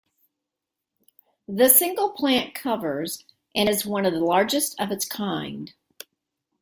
This single plant covers and is one of the largest of its kind.